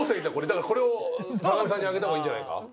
だからこれを坂上さんにあげた方がいいんじゃないか？